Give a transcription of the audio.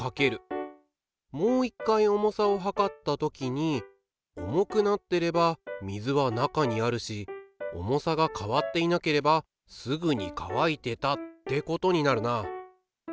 もう一回重さをはかった時に重くなってれば水は中にあるし重さが変わっていなければすぐに乾いてたってことになるなあ。